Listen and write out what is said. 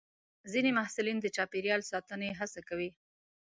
ځینې محصلین د چاپېریال ساتنې هڅه کوي.